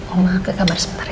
oma ke kamar sebentar ya